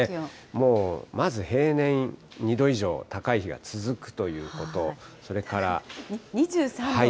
もう、まず平年２度以上高い日が続くということ、それから。